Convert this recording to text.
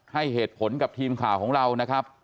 ให้เหตุผลกับทีมข่าวของเรานะครับ